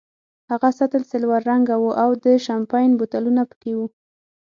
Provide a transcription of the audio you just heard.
هغه سطل سلور رنګه وو او د شیمپین بوتلونه پکې وو.